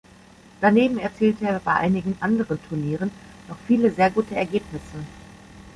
Daneben erzielte er bei einigen anderen Turnieren noch viele sehr gute Ergebnisse.